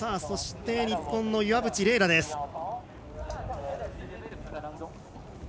そして、日本の岩渕麗楽です。